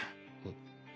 あっ。